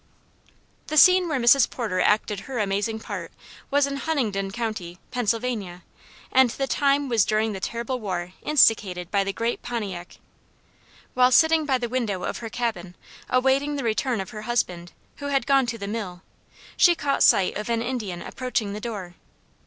The scene where Mrs. Porter acted her amazing part was in Huntingdon county, Pennsylvania, and the time was during the terrible war instigated by the great Pontiac. While sitting by the window of her cabin, awaiting the return of her husband, who had gone to the mill, she caught sight of an Indian approaching the door.